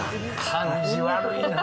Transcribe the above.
感じ悪いな。